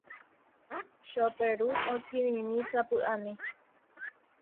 Choperu okirirĩ sapy'ami.